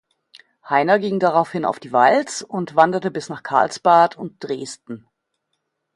Heiner ging daraufhin auf die Walz und wanderte bis nach Karlsbad und Dresden.